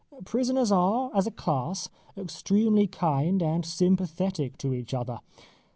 Prisoners are, as a class, extremely kind and sympathetic to each other.